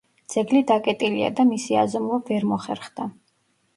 ძეგლი დაკეტილია და მისი აზომვა ვერ მოხერხდა.